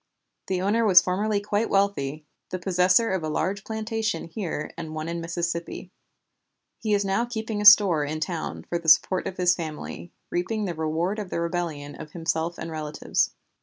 The owner was formerly quite wealthy, the possessor of a large plantation here and one in Mississippi. He is now keeping a store in town for the support of his family, reaping the reward of the rebellion of himself and relatives."